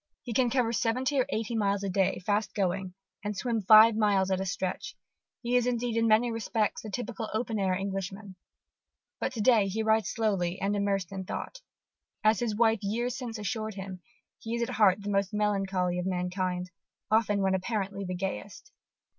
He can cover seventy or eighty miles a day, fast going, and swim five miles at a stretch: he is indeed, in many respects, the typical open air Englishman. But to day he rides slowly and immersed in thought. As his wife years since assured him, he is at heart the most melancholy of mankind, often when apparently the gayest.